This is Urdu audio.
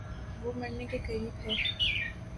وہ مرنے کے قریب ہے